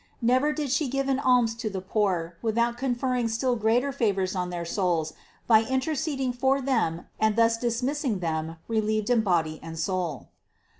Never did She give an alms to the poor without conferring still greater favors on their souls by interceding for them and thus dismissing them relieved in body and soul.